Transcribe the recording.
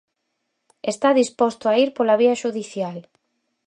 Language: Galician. Está disposto a ir pola vía xudicial.